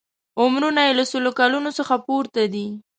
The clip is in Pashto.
عمرونه یې له سلو کالونو څخه پورته دي.